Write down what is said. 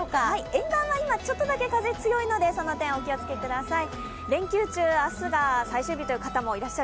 沿岸は今、ちょっとだけ風強いので、その点、お気を付けください。